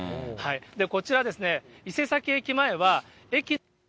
こちらですね、伊勢崎駅前は駅。